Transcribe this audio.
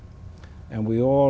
năm hôm qua